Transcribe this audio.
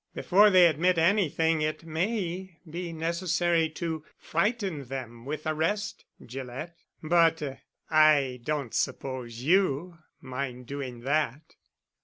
Before they admit anything it may be necessary to frighten them with arrest, Gillett. But I don't suppose you mind doing that?"